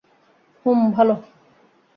হুম, ভালো।